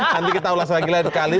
nanti kita ulas lagi lain kali